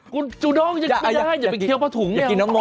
คุณคอยแห้งอะไรตอนนี้